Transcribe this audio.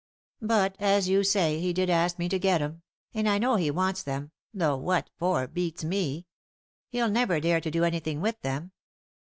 But, as you say, he did ask me to get 'em ; and 1 know he wants them, though what for beats me. He'll never dare to do anything with them.